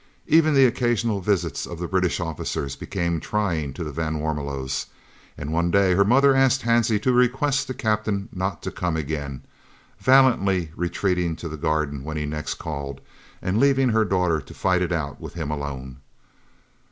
Even the occasional visits of the British officers became trying to the van Warmelos, and one day her mother asked Hansie to request the Captain not to come again, valiantly retreating to the garden when next he called, and leaving her daughter to fight it out with him alone.